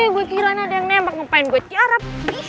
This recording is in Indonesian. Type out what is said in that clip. gue kirain ada yang nembak ngapain gue tiarap